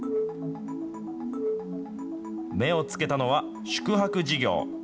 目をつけたのは、宿泊事業。